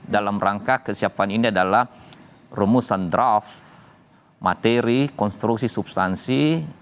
dalam rangka kesiapan ini adalah rumusan draft materi konstruksi substansi